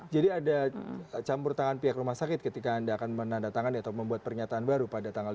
jadi ada campur tangan pihak rumah sakit ketika anda akan menandatangan atau membuat pernyataan baru pada tanggal dua puluh tiga